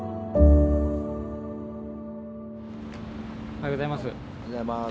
おはようございます。